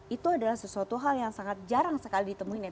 itu adalah sesuatu hal yang sangat jarang sekali ditemuin ya